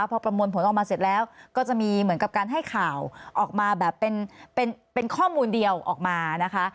พอประมวลผลออกมาเสร็จแล้วก็จะมีเหมือนกับการให้ข่าวออกมาแบบเป็นข้อมูลเดียวออกมานะคะ